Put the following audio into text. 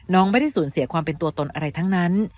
ไม่ได้สูญเสียความเป็นตัวตนอะไรทั้งนั้น